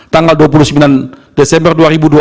tanggal dua puluh sembilan desember dua ribu dua puluh